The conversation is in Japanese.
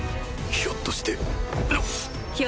ひょっとして？